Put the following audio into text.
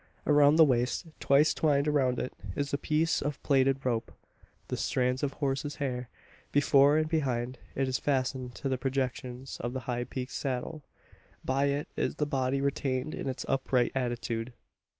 Around the waist twice twined around it is a piece of plaited rope, the strands of horse's hair. Before and behind, it is fastened to the projections of the high peaked saddle. By it is the body retained in its upright attitude.